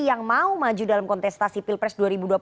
yang mau maju dalam kontestasi pilpres